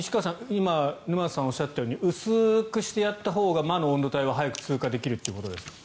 今沼津さんがおっしゃったように薄くしてやったほうが魔の温度帯は早く通過できるということですね。